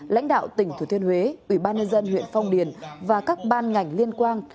lãnh đạo tỉnh thừa thiên huế ủy ban nhân dân huyện phong điền và các ban ngành liên quan